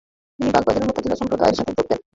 তিনি বাগদাদের মুতাযিলা সম্প্রদায়ের সাথে যোগ দেন।